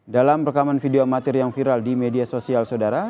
dalam rekaman video amatir yang viral di media sosial saudara